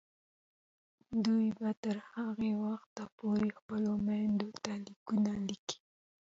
دوی به تر هغه وخته پورې خپلو میندو ته لیکونه لیکي.